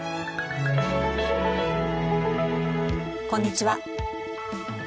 こんにちは。